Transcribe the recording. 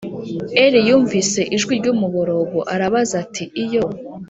Eli yumvise ijwi ry umuborogo arabaza ati Iyo